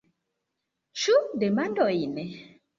Ĉu demandojn?